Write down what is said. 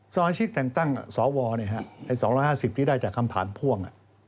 สวรรค์อาชีพแต่งตั้งสวใน๒๕๐ที่ได้จากคำถามพ่วง